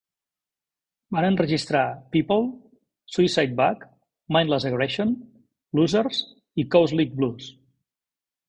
Van enregistrar "People", "Suicide Bag", "Mindless Aggression", "Losers" i "Cowslick Blues".